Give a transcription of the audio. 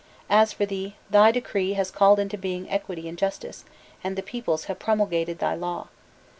As for thee, thy decree has called into being equity and justice, and the peoples have promulgated thy law!